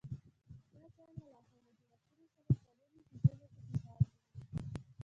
دا څانګه له هغو جوړښتونو سره تړلې چې ژبه پکې کار کوي